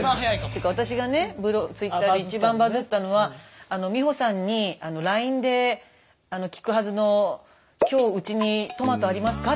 てか私がねＴｗｉｔｔｅｒで一番バズったのは美穂さんにＬＩＮＥで聞くはずの今日うちにトマトありますか？